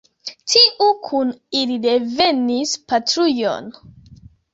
Tiu kun ili revenis patrujon.